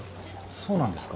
そうなんですか。